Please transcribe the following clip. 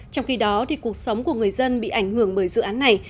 trong khi đó cuộc sống của người dân bị ảnh hưởng bởi dự án này